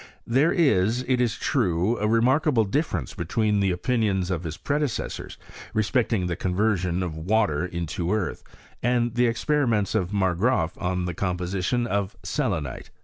There is, it is true, a remarkable difference between the opinions of his predecessors respecting the con version of water into earth, and the experiments of Margraaf on the composition of selenite.